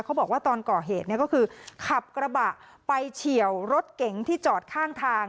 เขาบอกว่าตอนก่อเหตุเนี่ยก็คือขับกระบะไปเฉียวรถเก๋งที่จอดข้างทาง